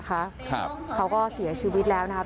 เขาก็เสียชีวิตแล้วนะครับ